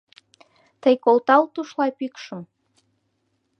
Тый колтал тушлай пӱкшым.